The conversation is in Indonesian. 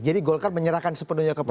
jadi golkar menyerahkan sepenuhnya kepada